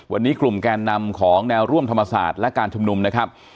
วันนี้กลุ่มแกนนำของแนวร่วมธรรมศาสตร์และการชุมนุมนะครับ